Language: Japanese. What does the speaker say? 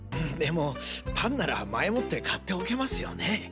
でもパンなら前もって買っておけますよね？